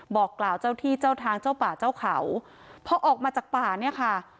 บอกกล่าวเจ้าที่เจ้าทางเจ้าป่าเจ้าเขาพอออกมาจากป่าเนี่ยค่ะ